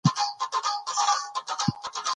سیاسي بدلون باید د خلکو له غوښتنو راولاړ شي